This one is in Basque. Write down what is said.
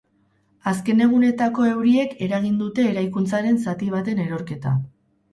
Azken egunetako euriek eragin dute eraikuntzaren zati baten erorketa.